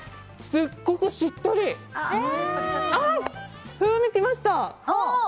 すごくしっとり！風味、きました！